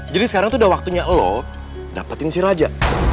jadi sekarang tuh udah waktunya lo dapetin si raja